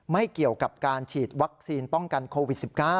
ไม่เกี่ยวกับการฉีดวัคซีนป้องกันโควิด๑๙